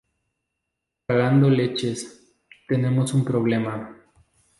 cagando leches. tenemos un problema.